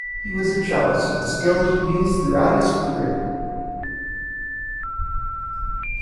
He was a cellist, a skill he used throughout his career.